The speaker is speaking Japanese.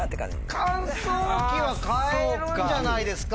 乾燥機は買えるんじゃないですか。